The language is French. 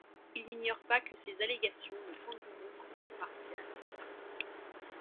Il n'ignore pas que ces allégations le conduiront en Cour martiale.